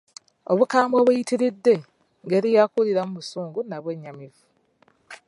Obukambwe obuyitiridde ngeri ya kuwuliramu busungu na bwennyamivu.